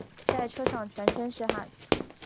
在车上全身是汗